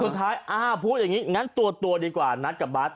สุดท้ายอ้าวพูดอย่างนี้งั้นตัวดีกว่านัดกับบัตร